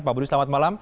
pak budi selamat malam